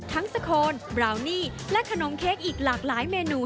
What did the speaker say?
สโคนบราวนี่และขนมเค้กอีกหลากหลายเมนู